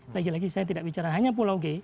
lagi lagi saya tidak bicara hanya pulau g